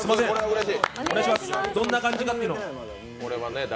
どんな感じかっていうのを。